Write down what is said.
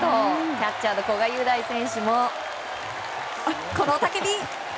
キャッチャーの古賀優大選手もこの雄たけび！